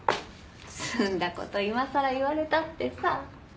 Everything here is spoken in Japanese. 済んだこと今更言われたってさぁ。